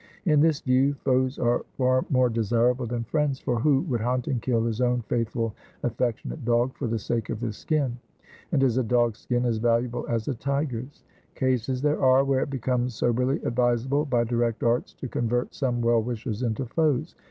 In this view, foes are far more desirable than friends; for who would hunt and kill his own faithful affectionate dog for the sake of his skin? and is a dog's skin as valuable as a tiger's? Cases there are where it becomes soberly advisable, by direct arts to convert some well wishers into foes.